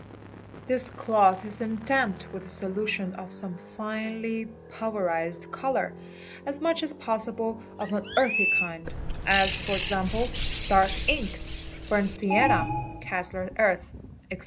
This cloth is then damped with a solution of some finely pul yerized colour, as much as possible of an earthy kind, as for example dark » ink, burnt sienna, Kassler Earth, etc.